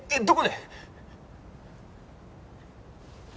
どこで！？